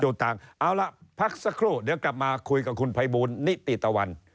ต่างเอาล่ะพักสักครู่เดี๋ยวกลับมาคุยกับคุณภัยบูลนิติตะวัน